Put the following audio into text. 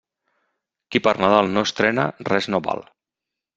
Qui per Nadal no estrena, res no val.